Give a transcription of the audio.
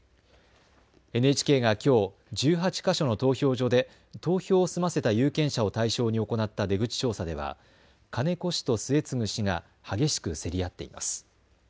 ＮＨＫがきょう１８か所の投票所で投票を済ませた有権者を対象に行った出口調査では金子氏と末次氏が激しく競り合っています。